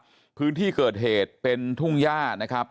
ส่วนเรื่องทางคดีนะครับตำรวจก็มุ่งไปที่เรื่องการฆาตฉิงทรัพย์นะครับ